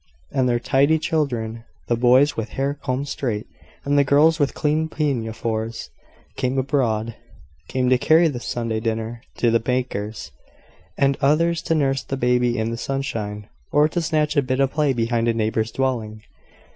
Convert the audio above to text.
and their tidy children, the boys with hair combed straight, and the girls with clean pinafores, came abroad; some to carry the Sunday dinner to the baker's, and others to nurse the baby in the sunshine, or to snatch a bit of play behind a neighbour's dwelling.